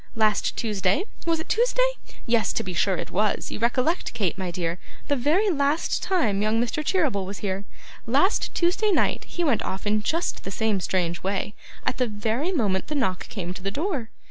Last Tuesday was it Tuesday? Yes, to be sure it was; you recollect, Kate, my dear, the very last time young Mr. Cheeryble was here last Tuesday night he went off in just the same strange way, at the very moment the knock came to the door.